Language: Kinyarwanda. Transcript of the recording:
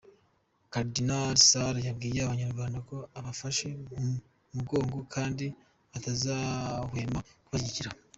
Karidinali Sarr yabwiye Abanyarwanda ko abafashe mu mugongo kandi atazahwema kubashyigikira.